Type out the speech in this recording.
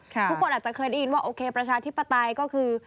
ทุกคนอาจจะเคยได้ยินว่าโอเคประชาธิปไตยก็คือ